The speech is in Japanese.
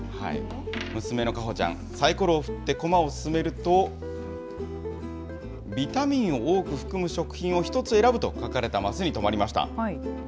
娘の夏穂ちゃん、さいころを振って駒を進めると、ビタミンを多く含む食品を１つ選ぶと書かれた升に止まりました。